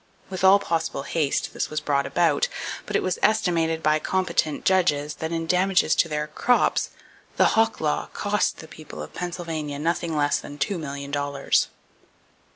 With all possible haste this was brought about; but it was estimated by competent judges that in damages to their crops the hawk law cost the people of Pennsylvania nothing less than two million dollars.